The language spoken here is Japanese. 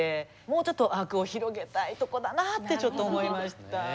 もうちょっと枠を広げたいとこだなってちょっと思いました。